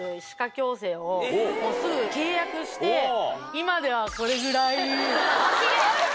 今ではこれぐらい。